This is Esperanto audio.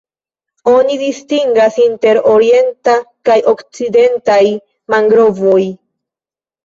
Oni distingas inter Orientaj kaj Okcidentaj mangrovoj.